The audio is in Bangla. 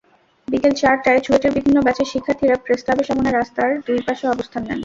বিকেল চারটায় চুয়েটের বিভিন্ন ব্যাচের শিক্ষার্থীরা প্রেসক্লাবের সামনে রাস্তার দুই পাশে অবস্থান নেন।